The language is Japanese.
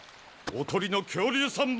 おとりの恐竜さん